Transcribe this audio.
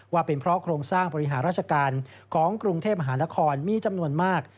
ว่าเป็นเพราะโครงสร้างบริหารราชการของกรุงเทพมหานครมีจำนวนมาก